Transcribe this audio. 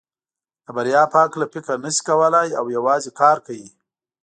د بریا په هکله فکر نشي کولای او یوازې کار کوي.